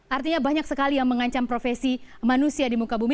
artinya banyak sekali yang mengancam profesi manusia di muka bumi